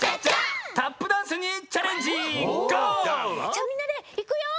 じゃあみんなでいくよ！